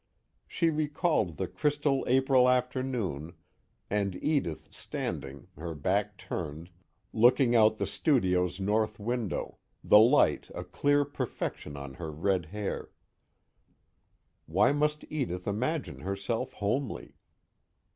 She recalled the crystal April afternoon, and Edith standing, her back turned, looking out the studio's north window, the light a clear perfection on her red hair why must Edith imagine herself homely?